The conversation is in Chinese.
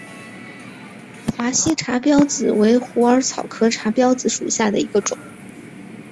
华西茶藨子为虎耳草科茶藨子属下的一个种。